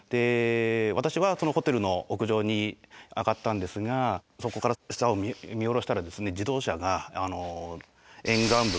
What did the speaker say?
私はホテルの屋上に上がったんですがそこから下を見下ろしたらですね